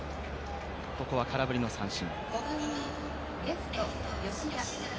ここは空振りの三振。